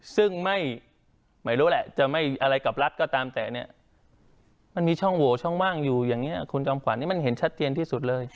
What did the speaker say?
ซึ่งไม่รู้แหละจะไม่อะไรกับรัฐก็ตามแต่เนี่ยมันมีช่องโหวช่องว่างอยู่อย่างนี้คุณจอมขวัญนี่มันเห็นชัดเจนที่สุดเลย